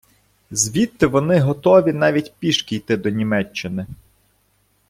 Звідти вони готові навіть пішки йти до Німеччини.